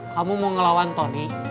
kamu mau ngelawan tony